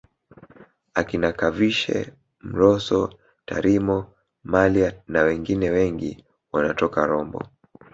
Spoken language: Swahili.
Akina Kavishe Mrosso Tarimo Mallya nawengine wengi wanatoka Rombo